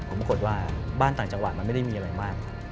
เหมือนบ้านต่างจังหวัดมันไม่ได้มีอะไรมาก